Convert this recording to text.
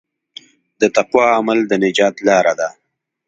د تقوی عمل د نجات لاره ده.